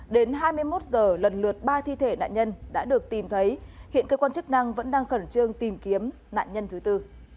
đến hai mươi một h lần lượt ba thi thể nạn nhân đã được tìm thấy hiện cơ quan chức năng vẫn đang khẩn trương tìm kiếm nạn nhân thứ tư